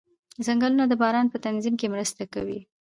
ځنګلونه د باران په تنظیم کې مرسته کوي